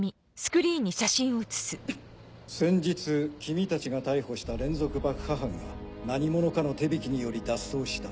先日君たちが逮捕した連続爆破犯が何者かの手引きにより脱走した。